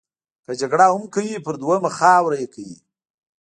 که جګړه هم کوي پر دویمه خاوره یې کوي.